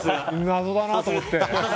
謎だなと思って。